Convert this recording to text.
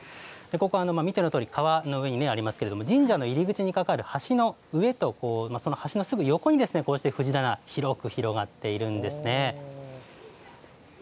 ここ、見てのとおり、川の上にありますけれども、神社の入り口に架かる橋の上とその橋のすぐ横に、こうして藤棚、広く広がっているんですね。